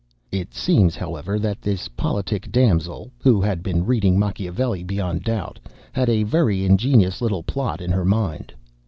It seems, however, that this politic damsel (who had been reading Machiavelli, beyond doubt), had a very ingenious little plot in her mind.